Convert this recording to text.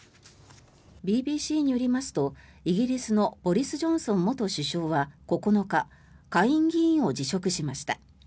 ＢＢＣによりますとイギリスのボリス・ジョンソン元首相は９日下院議員を辞職しました。